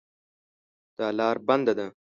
دا لار بنده ده